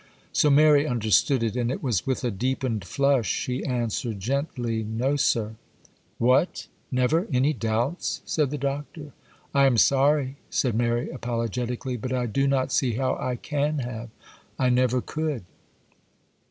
So Mary understood it, and it was with a deepened flush she answered gently, 'No, sir.' 'What! never any doubts?' said the Doctor. 'I am sorry,' said Mary, apologetically; 'but I do not see how I can have; I never could.